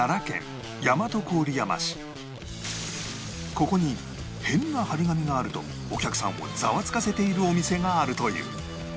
ここに変な貼り紙があるとお客さんをザワつかせているお店があるという